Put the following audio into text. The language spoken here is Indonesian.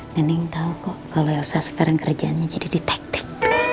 neng tau kok kalau elsa sebarang kerjaannya jadi detektif